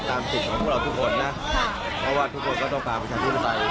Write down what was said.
ตามสิ่งของพวกเราทุกคนน่ะเพราะว่าทุกคนก็ต้องการประชาชุมศัตริย์